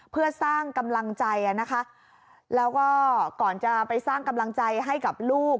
เพื่อสร้างกำลังใจนะคะแล้วก็ก่อนจะไปสร้างกำลังใจให้กับลูก